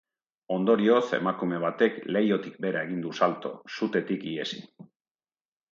Ondorioz, emakume batek leihotik behera egin du salto, sutetik ihesi.